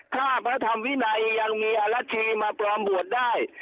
ถ้าพระธรรมวินัยยังมีอรัชชีมาปลอมบวชได้